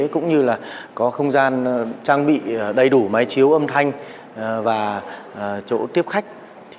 cũng như là có không gian trang bị đầy đủ máy chiếu âm thanh và chỗ tiếp khách